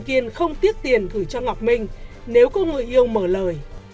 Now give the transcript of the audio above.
kiên không tiếc tiền gửi cho ngọc minh nếu có người yêu mở lời